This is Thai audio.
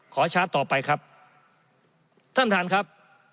ชาร์จต่อไปครับท่านท่านครับ